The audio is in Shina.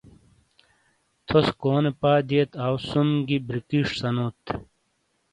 تھوس کونے پا دِیئت آٶ سُم گی بِریکِش سَنوت ۔